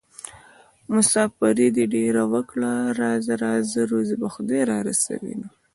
مساپري دې ډېره وکړه راځه راځه روزي به خدای رارسوينه